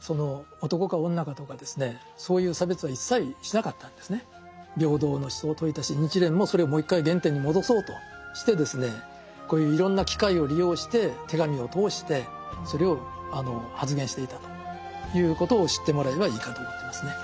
だからこのようにですね仏教というのは平等の思想を説いたし日蓮もそれをもう一回原点に戻そうとしてこういういろんな機会を利用して手紙を通してそれを発言していたということを知ってもらえばいいかと思ってますね。